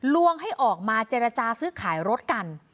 ลวงให้ออกมาเจรจาซื้อขายรถกัน